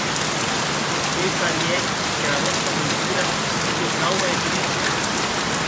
Qu’ei parièr qu’era vòsta montura sigue prauba e prima!